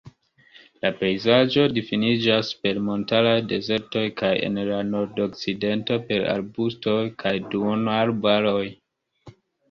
La pejzaĝo difiniĝas per montaraj dezertoj kaj en la nord-okcidento per arbustoj kaj duonarbaroj.